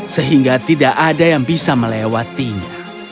sehingga tidak ada yang bisa melewatinya